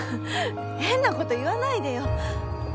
変な事言わないでよ。